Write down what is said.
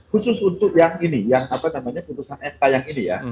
khusus untuk yang ini yang apa namanya putusan mk yang ini ya